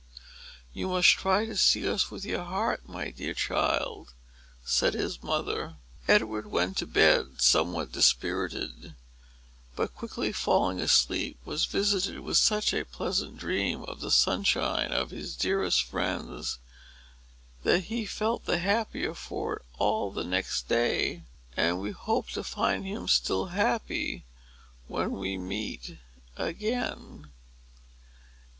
"You must try to see us with your heart, my dear child," said his mother. Edward went to bed, somewhat dispirited, but quickly falling asleep, was visited with such a pleasant dream of the sunshine and of his dearest friends that he felt the happier for it all the next day. And we hope to find him still happy when we meet again.